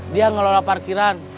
dia ngelola parkiran